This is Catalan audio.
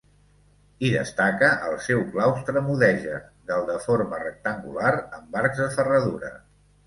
Hi destaca el seu claustre mudèjar del de forma rectangular amb arcs de ferradura.